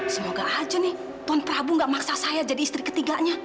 semoga aja nih tuan prabu gak maksa saya jadi istri ketiganya